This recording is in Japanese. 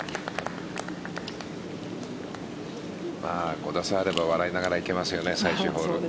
５打差あれば笑いながらいけますよね、最終ホール。